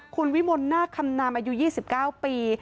คุณวิมลนาคคำนามอายุ๒๙ปี